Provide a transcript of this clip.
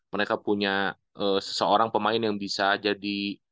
mereka punya seseorang pemain yang bisa jadi